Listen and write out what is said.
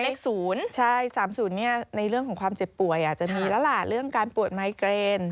เลข๐ใช่๓๐ในเรื่องของความเจ็บป่วยอาจจะมีแล้วล่ะเรื่องการปวดไมเกรน